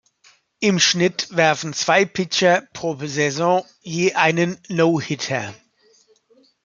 Im Schnitt werfen zwei Pitcher pro Saison je einen No-Hitter.